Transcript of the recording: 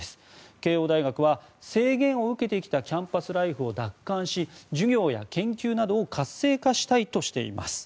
慶応大学は、制限を受けてきたキャンパスライフを奪還し授業や研究などを活性化したいとしています。